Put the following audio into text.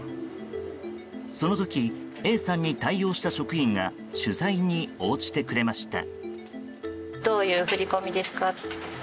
その時、Ａさんに対応した職員が取材に応じてくれました。